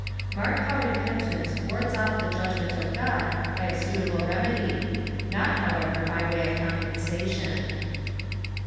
Mark how repent ance wards oif the judgment of God by a suitable remedy — not, however, by way of comj)ensation.